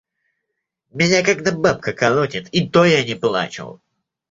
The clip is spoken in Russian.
Меня когда бабка колотит, и то я не плачу!